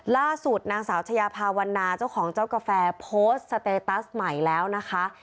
ล่าสุดนางสาวชายาภาวันนาเจ้าของเจ้ากาแฟโพสต์สเตตัสใหม่แล้วนะคะ